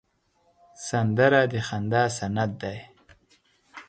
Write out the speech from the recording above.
سندره د خندا سند دی